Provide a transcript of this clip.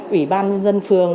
ủy ban dân phường